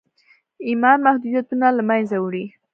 ايمان محدوديتونه له منځه وړي.